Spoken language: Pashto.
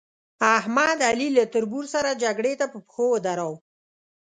احمد؛ علي له تربرو سره جګړې ته په پشو ودراوو.